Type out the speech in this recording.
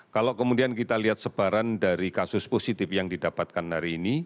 kalau kemudian kita lihat sebaran dari kasus positif yang didapatkan hari ini